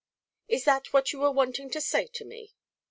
"Is that what you were wanting to say to me?"